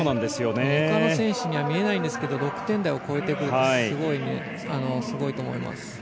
ほかの選手には見れないんですが６点台を超えてくるのはすごいと思います。